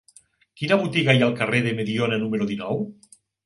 Quina botiga hi ha al carrer de Mediona número dinou?